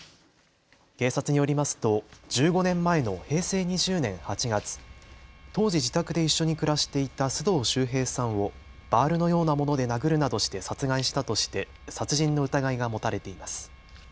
警察によりますと１５年前の平成２０年８月、当時自宅で一緒に暮らしていた須藤秀平さんをバールのようなもので殴るなどして殺害したとして殺人の疑いが持たれています。